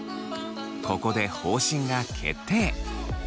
ここで方針が決定。